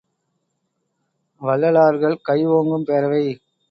வல்லாளர்கள் கை ஓங்கும் பேரவை!